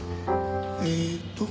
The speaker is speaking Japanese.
えっと